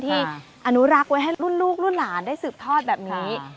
อนุรักษ์ไว้ให้รุ่นลูกรุ่นหลานได้สืบทอดแบบนี้